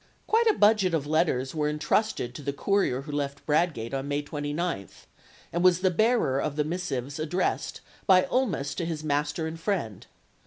Quite a budget of letters were entrusted to the courier who left Bradgate on May 29, and was the bearer of the missives addressed by Ulmis to his master and his friend.